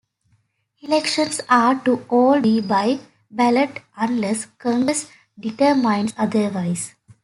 Elections are to all be by ballot unless Congress determines otherwise.